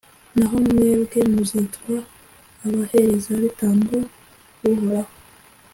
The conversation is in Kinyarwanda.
naho mwebwe, muzitwa «abaherezabitambo b’uhoraho»,